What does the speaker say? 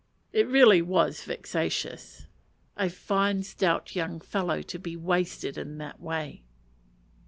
It really was vexatious. A fine stout young fellow to be wasted in that way.